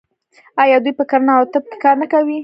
آیا دوی په کرنه او طب کې کار نه کوي؟